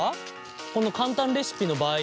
この簡単レシピの場合は？